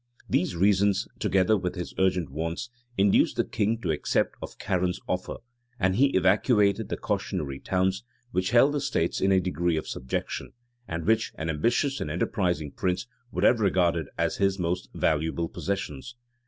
[] These reasons, together with his urgent wants, induced the king to accept of Caron's offer; and he evacuated the cautionary towns, which held the states in a degree of subjection, and which an ambitious and enterprising prince would have regarded as his most valuable possessions.